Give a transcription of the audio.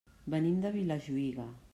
Venim de Vilajuïga.